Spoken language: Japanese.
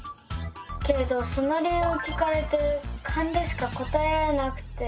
けれどその理由を聞かれてカンでしか答えられなくて。